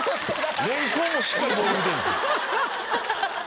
レンコンもしっかりボール見てるんです。